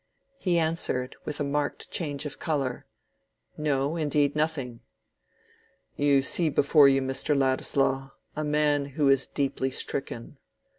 He answered, with a marked change of color— "No, indeed, nothing." "You see before you, Mr. Ladislaw, a man who is deeply stricken.